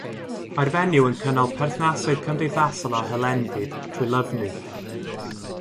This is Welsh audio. Mae'r fenyw yn cynnal perthnasoedd cymdeithasol a hylendid trwy lyfnu.